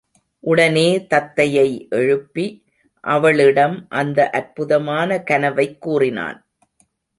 உடனே தத்தையை எழுப்பி அவளிடம் இந்த அற்புதமான கனவைக் கூறினான்.